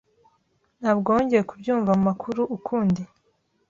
Ntabwo wongeye kubyumva mumakuru ukundi.